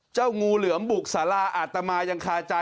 งูเหลือมบุกสาราอาตมายังคาใจ